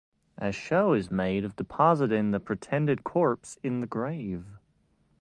A show is made of depositing the pretended corpse in the grave.